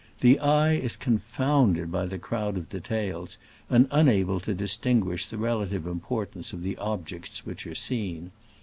The eye is confounded by the crowd of details, and unable to distinguish the relative importance of the objects which are seen.